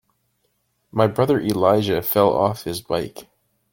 My brother Elijah fell off his bike.